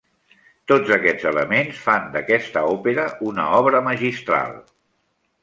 Tots aquests elements fan d'aquesta òpera una obra magistral.